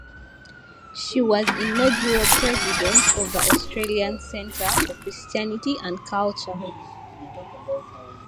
She was inaugural President of the Australian Centre for Christianity and Culture.